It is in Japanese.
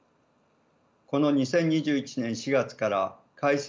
この２０２１年４月から改正